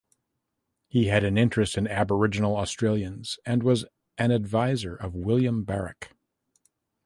He had an interest in Aboriginal Australians and was an adviser of William Barak.